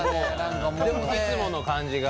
いつもの感じが。